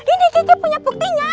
ini kiki punya buktinya